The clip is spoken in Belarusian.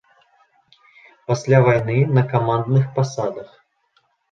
Пасля вайны на камандных пасадах.